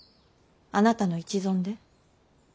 あなたの一存で？